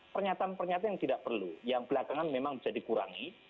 pernyataan pernyataan yang tidak perlu yang belakangan memang bisa dikurangi